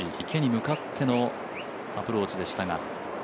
池に向かってのアプローチでしたが。